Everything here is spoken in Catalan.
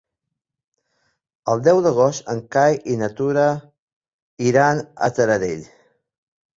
El deu d'agost en Cai i na Tura iran a Taradell.